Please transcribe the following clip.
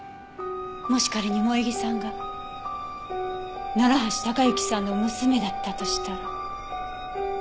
もし仮に萌衣さんが楢橋高行さんの娘だったとしたら。